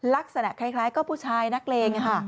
ลักษณะคล้ายก็ผู้ชายนักเลง